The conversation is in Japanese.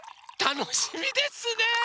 たのしみですね！